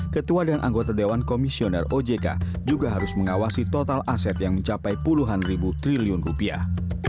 ketua dan anggota dewan komisioner ojk juga harus mengawasi total aset yang mencapai puluhan ribu triliun rupiah